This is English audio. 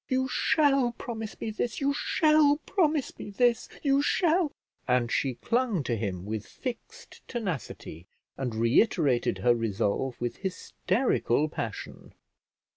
You shall promise me this, you shall promise me this, you shall " And she clung to him with fixed tenacity, and reiterated her resolve with hysterical passion.